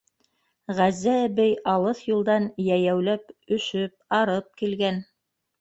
Ғәззә әбей алыҫ юлдан йәйәүләп, өшөп, арып килгән.